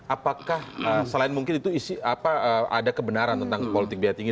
apakah selain mungkin itu ada kebenaran tentang politik biaya tinggi